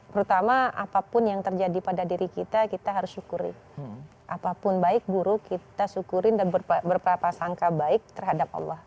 pertama apapun yang terjadi pada diri kita kita harus syukuri apapun baik buruk kita syukurin dan berprapa sangka baik terhadap allah